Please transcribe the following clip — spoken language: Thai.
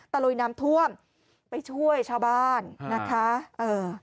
ลุยน้ำท่วมไปช่วยชาวบ้านนะคะเอ่อ